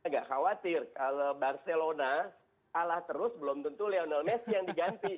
agak khawatir kalau barcelona kalah terus belum tentu lionel messi yang diganti